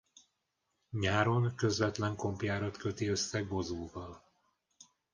Nyáron közvetlen kompjárat köti össze Gozóval.